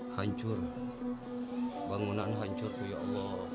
hancur bangunan hancur tuhan